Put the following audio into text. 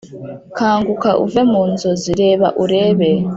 "kanguka uve mu nzozi! reba urebe